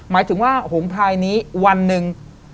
หมายถึงว่าหงพลายนี้วันหนึ่ง